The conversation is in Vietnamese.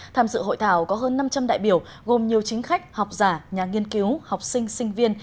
tham dự hội thảo có hơn năm trăm linh đại biểu gồm nhiều chính khách học giả nhà nghiên cứu học sinh sinh viên